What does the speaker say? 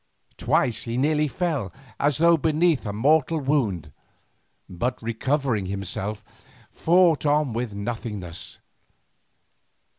Twice he nearly fell, as though beneath a mortal wound, but recovering himself, fought on with Nothingness.